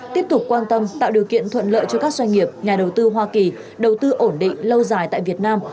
tiếp tục quan tâm tạo điều kiện thuận lợi cho các doanh nghiệp nhà đầu tư hoa kỳ đầu tư ổn định lâu dài tại việt nam